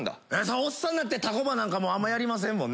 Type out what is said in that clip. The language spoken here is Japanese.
おっさんなってタコパなんかあんまやりませんもんね。